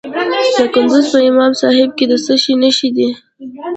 د کندز په امام صاحب کې د څه شي نښې دي؟